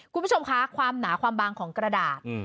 คุณผู้ชมคะความหนาความบางของกระดาษ